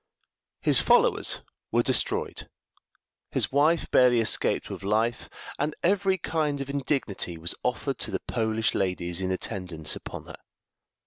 His followers were destroyed, his wife barely escaped with life, and every kind of indignity was offered to the Polish ladies in attendance upon her.